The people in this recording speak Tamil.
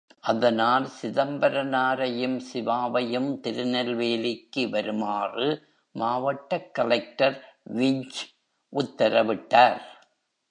அதனால், சிதம்பரனாரையும், சிவாவையும் திருநெல்வேலிக்கு வருமாறு மாவட்டக் கலெக்டர் விஞ்ச் உத்தரவிட்டார்.